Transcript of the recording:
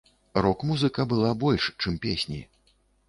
Рок-музыка была больш чым песні.